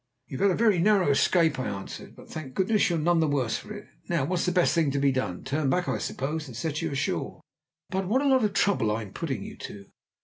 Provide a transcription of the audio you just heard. "You have had a very narrow escape," I answered, "but thank goodness you're none the worse for it. Now, what's the best thing to be done? Turn back, I suppose, and set you ashore." "But what a lot of trouble I'm putting you to."